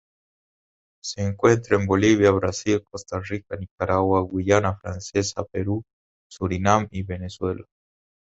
Se encuentra en Bolivia, Brasil, Costa Rica, Nicaragua, Guayana Francesa, Perú, Surinam y Venezuela.